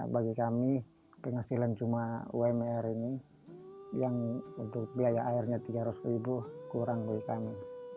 bagi kami penghasilan cuma umr ini yang untuk biaya airnya tiga ratus ribu kurang bagi kami